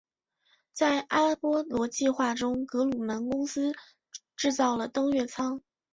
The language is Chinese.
在阿波罗计划中格鲁门公司制造了登月舱。